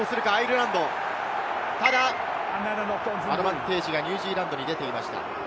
アドバンテージがニュージーランドに出ていました。